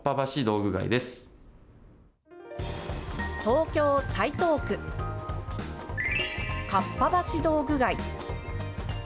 東京・台東区かっぱ橋道具街。